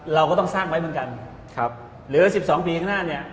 เราก็ต้องสร้างไว้เหมือนกันหรือ๑๒ปีข้างหน้าเนี่ย